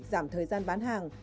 giảm thời gian bán hàng